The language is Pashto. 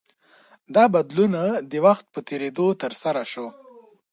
دا بدلون د وخت په تېرېدو ترسره شو.